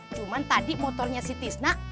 cuma tadi motornya si tisnah